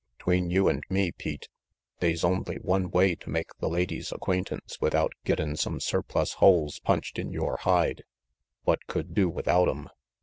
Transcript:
'Tween you and me, Pete, they's only one way to make the lady's acquaintance without gettin' some surplus holes punched in yore hide what could do without 'em.